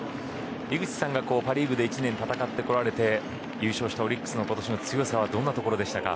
井口さんがパ・リーグで１年戦ってこられて優勝したオリックスの今年の強さはどんなところですか。